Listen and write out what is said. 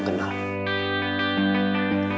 masih banyak indigenous being